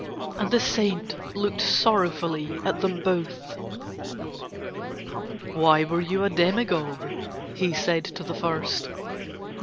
And the Saint looked sorrowfully at them both. "Why were you a demagogue?" he said to the first.